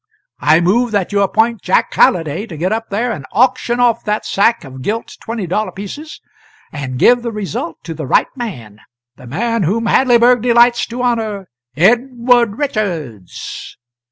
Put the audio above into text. I move that you appoint Jack Halliday to get up there and auction off that sack of gilt twenty dollar pieces, and give the result to the right man the man whom Hadleyburg delights to honour Edward Richards."